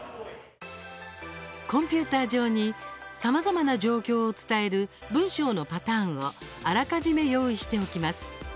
コンピューター上にさまざまな状況を伝える文章のパターンをあらかじめ用意しておきます。